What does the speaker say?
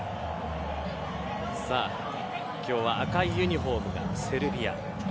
今日は赤いユニホームがセルビア。